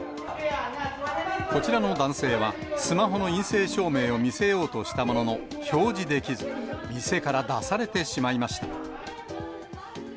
こちらの男性は、スマホの陰性証明を見せようとしたものの表示できず、店から出されてしまいました。